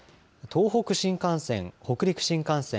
東北新幹線、北陸新幹線